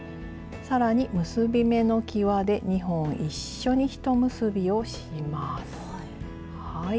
更に結び目のきわで２本一緒にひと結びをします。